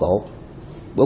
bị bóp cổ